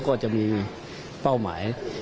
ก็จะมีเป้าหมาย